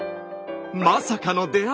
まさかの出会い！